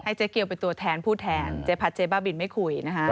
เจ๊เกียวเป็นตัวแทนผู้แทนเจ๊พัดเจ๊บ้าบินไม่คุยนะคะ